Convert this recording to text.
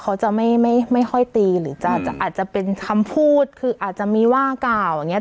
เขาจะไม่ไม่ค่อยตีหรือจะอาจจะเป็นคำพูดคืออาจจะมีว่ากล่าวอย่างนี้